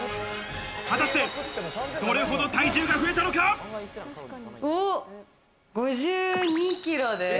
果たしてどれほど体重が増え５２キロです。